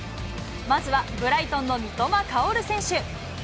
まずは、ブライトンの三笘薫選手。